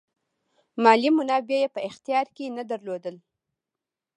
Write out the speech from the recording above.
مالي منابع یې په اختیار کې نه درلودل.